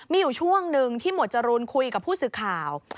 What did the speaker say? มีอยู่ช่วงหนึ่งที่หมวดจรูนคุยกับผู้สื่อข่าว